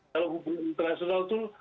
dalam hubungan internasional itu